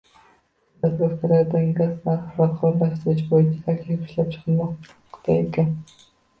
“Zapravka”larda gaz narxini barqarorlashtirish boʻyicha taklif ishlab chiqilmoqda ekan.